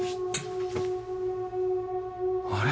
あれ？